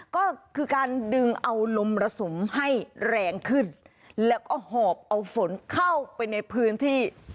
ก็คือการดึงเอาลมระสุมให้แรงขึ้นแล้วก็หอบเอาฝนเข้าไปในพื้นที่